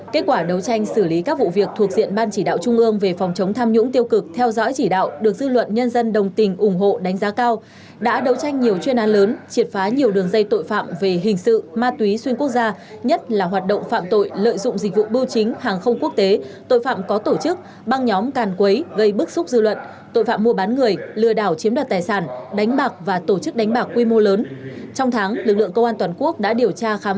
kết quả đấu tranh xử lý các vụ việc thuộc diện ban chỉ đạo trung ương về phòng chống tham nhũng tiêu cực theo dõi chỉ đạo được dư luận nhân dân đồng tình ủng hộ đánh giá cao đã đấu tranh nhiều chuyên an lớn triệt phá nhiều đường dây tội phạm về hình sự ma túy xuyên quốc gia nhất là hoạt động phạm tội lợi dụng dịch vụ bưu chính hàng không quốc tế tội phạm có tổ chức băng nhóm càn quấy gây bức xúc dư luận tội phạm mua bán người lừa đảo chiếm đoạt tài sản đánh bạc và tổ chức đánh bạc quy m